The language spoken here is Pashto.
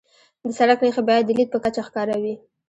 د سړک نښې باید د لید په کچه ښکاره وي.